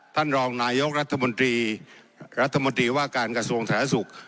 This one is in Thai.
ท่านรองนายกรัฐมนตรีรัฐมนตรีว่าการกระทรวงสาธารณสุข